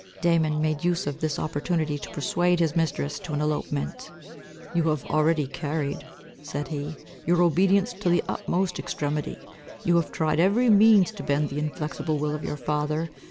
Damon made use of this opportunity to persuade his mistress to an elopement. "You have already carried," said he, "your obedience to the utmost exremity. You have tried every means to bend the inflexible will of your father.